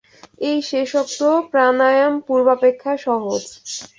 এই শেষোক্ত প্রাণায়াম পূর্বাপেক্ষা সহজ।